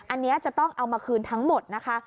อันนี้จะต้องเอามาคืนทั้งหมดนะคะ